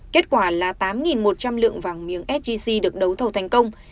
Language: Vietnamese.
kết quả là tám một trăm linh lượng vàng miếng sgc được đấu thầu thành công